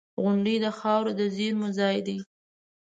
• غونډۍ د خاورو د زېرمو ځای دی.